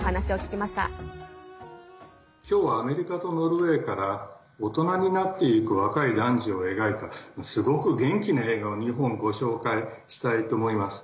きょうはアメリカとノルウェーから大人になっていく若い男女を描いたすごく元気な映画を２本ご紹介したいと思います。